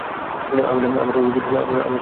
আমার সাইকেল আছে।